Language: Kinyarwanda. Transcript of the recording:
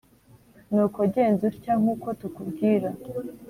Nuko genza utya nk uko tukubwira